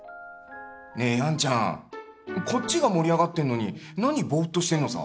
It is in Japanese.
ねえヤンちゃんこっちが盛り上がってんのに何ボーッとしてんのさ！